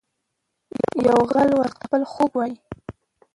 یو غل ورته خپل خوب وايي.